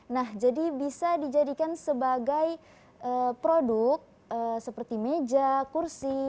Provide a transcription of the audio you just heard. nah jadi bisa dijadikan sebagai produk seperti meja kursi